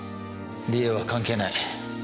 梨絵は関係ない。